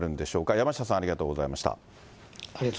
山下さん、ありがとうございました。